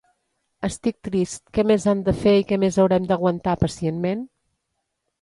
Estic trist… què més han de fer, i què més haurem d’aguantar “pacientment”?